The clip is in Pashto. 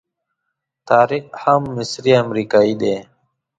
طارق هم مصری امریکایي دی.